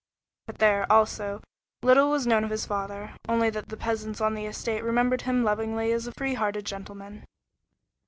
But there, also, little was known of his father, only that the peasants on the estate remembered him lovingly as a free hearted gentleman.